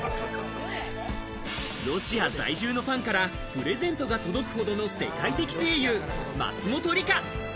ロシア在住のファンからプレゼントが届くほどの世界的声優、松本梨香。